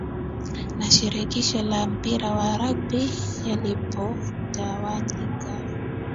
na shirikisho la mpira wa Ragbi yalipotawanyika